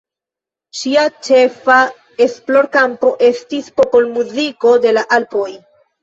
Ŝia ĉefa esplorkampo estis popolmuziko de la Alpoj.